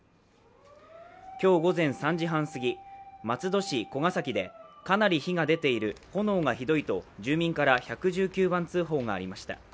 今日午前３時半すぎ松戸市古ヶ崎でかなり火が出ている、炎がひどいと住民から１１９番通報がありました。